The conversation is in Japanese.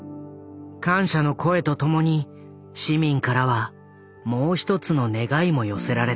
感謝の声とともに市民からはもう一つの願いも寄せられた。